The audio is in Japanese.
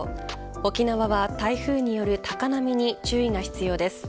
沖縄は台風による高波に注意が必要です。